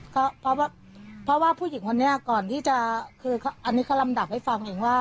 ก็เพราะว่าผู้หญิงคนนี้ก่อนที่จะคืออันนี้เขาลำดับให้ฟังเองว่า